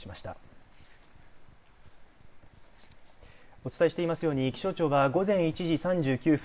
お伝えしていますように気象庁は午前１時３９分